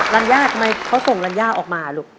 รัญญาทำไมเขาส่งรัญญาออกมาลูก